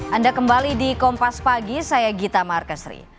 anda kembali di kompas pagi saya gita markesri